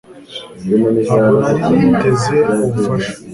ntabwo nari niteze ubufasha